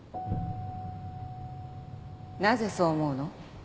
なぜそう思うの？